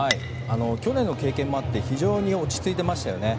去年の経験もあって非常に落ち着いていましたよね。